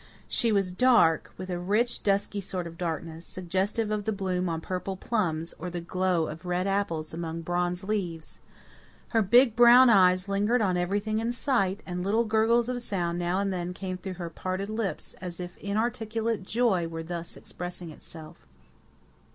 She was dark, with a rich dusky sort of darkness, suggestive of the bloom on purple plums, or the glow of deep red apples among bronze leaves. Her big brown eyes lingered on everything in sight, and little gurgles of sound now and again came through her parted lips, as if inarticulate joy were thus expressing itself.